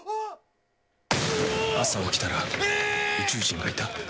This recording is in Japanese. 朝起きたら、宇宙人がいた。